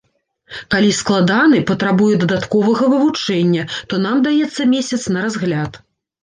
Калі складаны, патрабуе дадатковага вывучэння, то нам даецца месяц на разгляд.